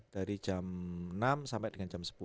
dari jam enam sampai dengan jam sepuluh